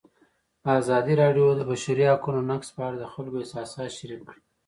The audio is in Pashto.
ازادي راډیو د د بشري حقونو نقض په اړه د خلکو احساسات شریک کړي.